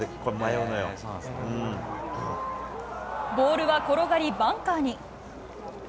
ボールは転がり、バンカーに。